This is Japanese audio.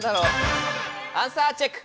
アンサーチェック。